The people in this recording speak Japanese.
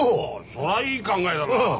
そりゃいい考えだな！